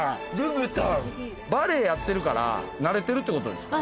バレエやってるから慣れてるってことですか？